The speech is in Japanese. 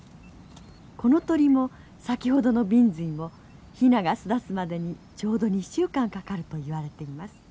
この鳥も先ほどのビンズイもヒナが巣立つまでにちょうど２週間かかるといわれています。